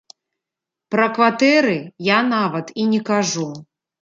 Пра кватэры я нават і не кажу.